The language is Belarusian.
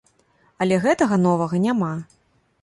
Але гэтага новага няма!